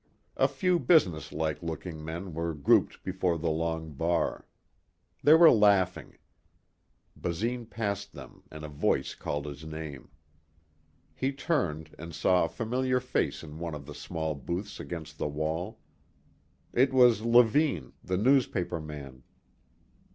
A few businesslike looking men were grouped before the long bar. They were laughing. Basine passed them and a voice called his name. He turned and saw a familiar face in one of the small booths against the wall. It was Levine, the newspaperman.